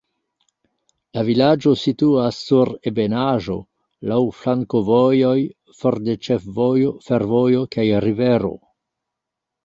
La vilaĝo situas sur ebenaĵo, laŭ flankovojoj, for de ĉefvojo, fervojo kaj rivero.